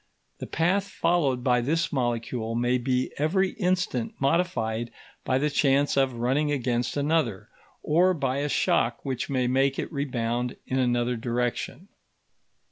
The path followed by this molecule may be every instant modified by the chance of running against another, or by a shock which may make it rebound in another direction.